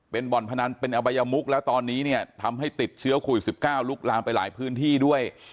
เป็นบ่อนพนันเป็นอบัยมุกแล้วตอนนี้เนี่ยทำให้ติดเชื้อโควิด๑๙ลุกลามไปหลายพื้นที่ด้วย